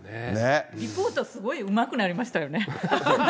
リポートすごいうまくなりましたよね。